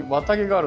ある。